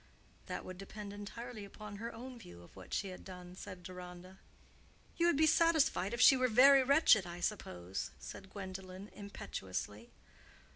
"That would depend entirely upon her own view of what she had done," said Deronda. "You would be satisfied if she were very wretched, I suppose," said Gwendolen, impetuously.